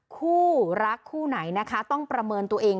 คู่รักคู่ไหนนะคะต้องประเมินตัวเอง